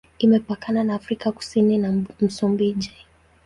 Imepakana na Afrika Kusini na Msumbiji.